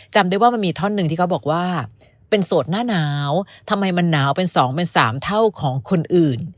จำได้ว่ามันมีท่อนหนึ่งที่เขาบอกว่าเป็นโสดหน้าหนาวทำไมมันหนาวเป็น๒เป็น๓เท่าของคนอื่น